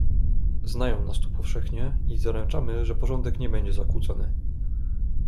"Znają nas tu powszechnie i zaręczamy, że porządek nie będzie zakłócony."